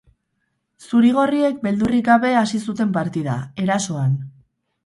Zuri-gorriek beldurrik gabe hasi zuten partida, erasoan.